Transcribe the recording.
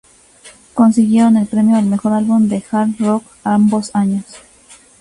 Consiguieron el premio al mejor álbum de Hard rock ambos años.